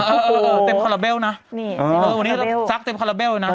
เออเออเออเออเต็มคาราเบลนะนี่เออเออวันนี้สักเต็มคาราเบลนะ